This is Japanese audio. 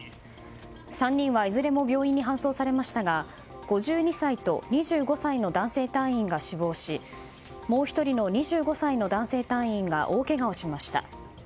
３人はいずれも病院に搬送されましたが５２歳と２５歳の男性隊員が死亡しもう１人の２５歳の男性隊員が大けがをしました。